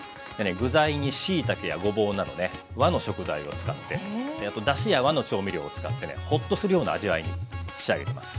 具材にしいたけやごぼうなどね和の食材を使ってだしや和の調味料を使ってねほっとするような味わいに仕上げてます。